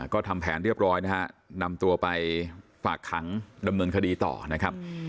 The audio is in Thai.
ก็ทำแผนเรียบร้อยนะฮะนำตัวไปฝากขังดำเนินคดีต่อนะครับ